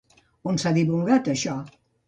On s'ha divulgat això?